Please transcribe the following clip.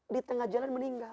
di tengah jalan meninggal